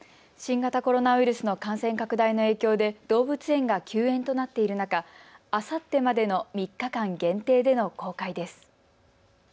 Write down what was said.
新型コロナウイルスの感染拡大の影響で動物園が休園となっている中、あさってまでの３日間限定での公開です。